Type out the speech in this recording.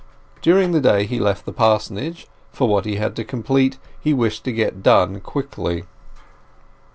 During the day he left the parsonage, for what he had to complete he wished to get done quickly.